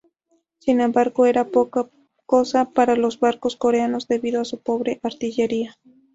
Sin embargo eran poca cosa para los barcos coreanos debido a su pobre artillería.